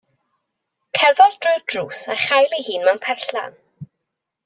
Cerddodd drwy'r drws a'i chael ei hun mewn perllan.